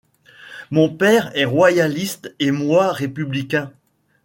Mon père est royaliste et moi républicain.